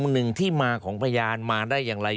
หนึ่งที่มาของพยานมาได้อย่างไร